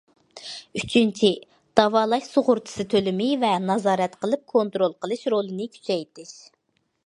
ئۈچىنچى، داۋالاش سۇغۇرتىسى تۆلىمى ۋە نازارەت قىلىپ كونترول قىلىش رولىنى كۈچەيتىش.